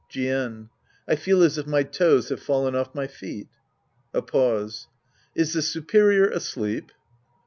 Jien. I feel as if my toes have fallen off my feet. {A pause.) Is the superior asleep